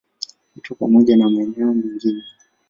Petro pamoja na maeneo mengine.